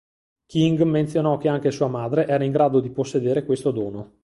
King menzionò che anche sua madre era in grado di possedere questo dono.